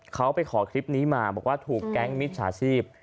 เขาไปขอคลิปนี้มาบอกว่าถูกแก๊งมิจฉาชีพ